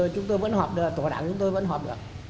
chúng tôi vẫn họp tổ đảng chúng tôi vẫn họp được